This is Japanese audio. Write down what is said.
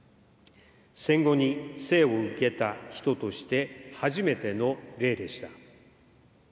戦後に生を受けた人として、初めての例でした。